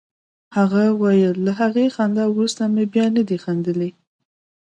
هغه ویل له هغې خندا وروسته مې بیا نه دي خندلي